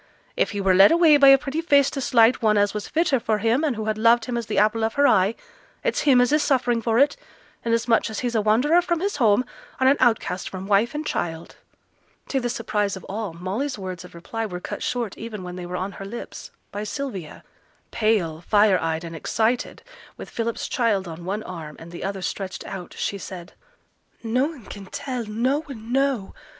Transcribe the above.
If he were led away by a pretty face to slight one as was fitter for him, and who had loved him as the apple of her eye, it's him as is suffering for it, inasmuch as he's a wanderer from his home, and an outcast from wife and child.' To the surprise of all, Molly's words of reply were cut short even when they were on her lips, by Sylvia. Pale, fire eyed, and excited, with Philip's child on one arm, and the other stretched out, she said, 'Noane can tell noane know.